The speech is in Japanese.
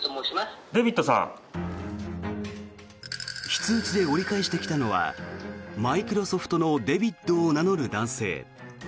非通知で折り返してきたのはマイクロソフトのデビッドを名乗る男性。